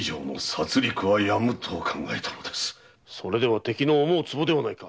それでは敵の思うつぼではないか！